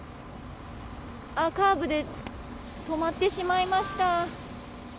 カーブで止まってしまいました。